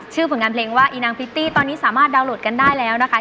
ผลงานเพลงว่าอีนางพริตตี้ตอนนี้สามารถดาวนโหลดกันได้แล้วนะคะ